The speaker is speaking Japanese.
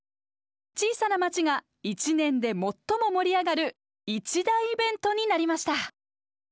小さな町が一年で最も盛り上がる一大イベントになりました。